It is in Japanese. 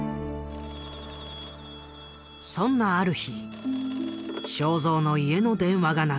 ☎そんなある日正蔵の家の電話が鳴った。